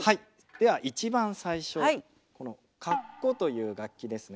では一番最初この鞨鼓という楽器ですね。